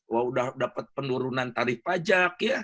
wah udah dapat penurunan tarif pajak ya